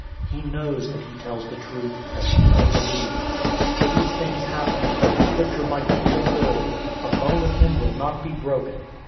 He knows that he tells the truth, that you may believe. 019:036 For these things happened, that the Scripture might be fulfilled, "A bone of him will not be broken."